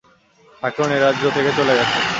ঠাকরুন এ রাজ্য থেকে চলে গেছেন।